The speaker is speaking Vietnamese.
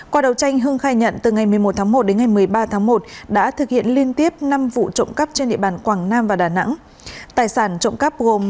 qua đầu tranh hưng khai nhận từ ngày một mươi một tháng một đến ngày một mươi ba tháng một đã thực hiện liên tiếp năm vụ trộm cắp